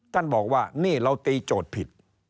ท่านบอกว่านี่เราตีโจทย์ผิด